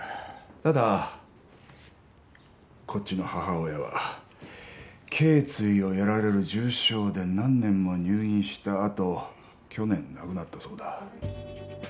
ただこっちの母親は頸椎をやられる重傷で何年も入院した後去年亡くなったそうだ。